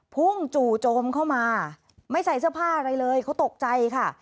พุ่งจู่โจมเข้ามาไม่ใส่เสื้อผ้าอะไรเลยเขาตกใจค่ะ